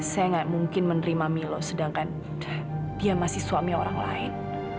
saya nggak mungkin menerima milo sedangkan dia masih suami orang lain